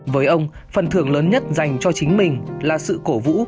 với ông phần thưởng lớn nhất dành cho chính mình là sự cổ vũ